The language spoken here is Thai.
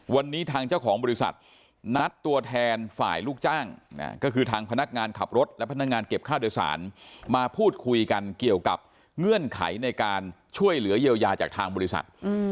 วันนี้ทางเจ้าของบริษัทนัดตัวแทนฝ่ายลูกจ้างก็คือทางพนักงานขับรถและพนักงานเก็บค่าโดยสารมาพูดคุยกันเกี่ยวกับเงื่อนไขในการช่วยเหลือเยียวยาจากทางบริษัท